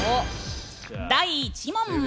第１問。